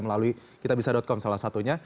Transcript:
melalui kitabisa com salah satunya